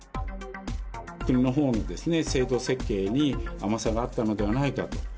国のほうの制度設計に甘さがあったのではないかと。